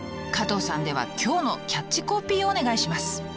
加藤さんでは今日のキャッチコピーをお願いします。